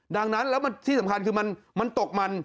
ดังนั้นแล้วที่สำคัญคือมันตกมัน